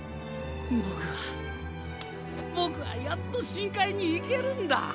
僕は僕はやっと深海に行けるんだ！